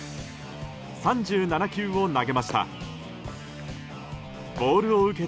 ３７球を投げました。